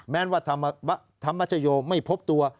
แม้ว่าธรรมชโยไม่พบตัว